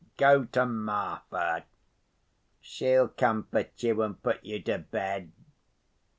Go to Marfa. She'll comfort you and put you to bed.